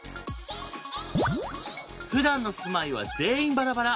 ふだんの住まいは全員バラバラ。